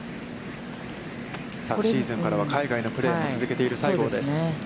昨シーズンからは、海外のプレーも続けている、西郷です。